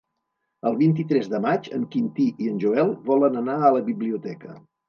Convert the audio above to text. El vint-i-tres de maig en Quintí i en Joel volen anar a la biblioteca.